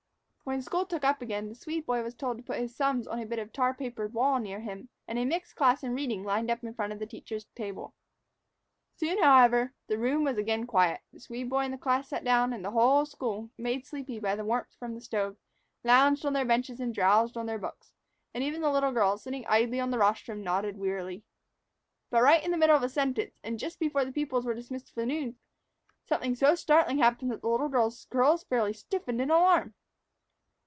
When school took up again, the Swede boy was told to put his sums on a bit of tar papered wall near him, and a mixed class in reading lined up in front of the teacher's table. Soon, however, the room was again quiet. The Swede boy and the class sat down, and the whole school, made sleepy by the warmth from the stove, lounged on their benches and drowsed on their books, and even the little girl, sitting idly on the rostrum, nodded wearily. But right in the midst of the silence, and just before the pupils were dismissed for noon, something so startling happened that the little girl's curls fairly stiffened in alarm.